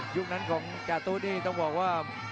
นั้นของจาตุนี่ต้องบอกว่า